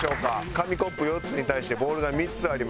紙コップ４つに対してボールが３つあります。